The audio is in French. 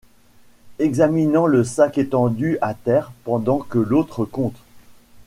Examinant le sac étendu à terre pendant que l’autre compte.